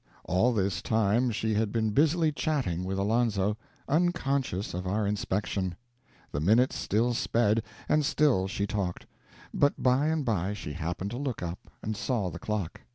All this time she had been busily chatting with Alonzo, unconscious of our inspection. The minutes still sped, and still she talked. But by and by she happened to look up, and saw the clock.